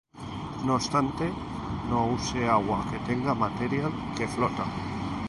No obstante, no use agua que tenga material que flota